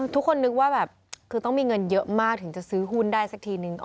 ทุกคนนึกว่าแบบคือต้องมีเงินเยอะมากถึงจะซื้อหุ้นได้สักทีนึง